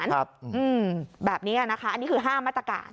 แบบนี้นะคะอันนี้คือ๕มาตรการ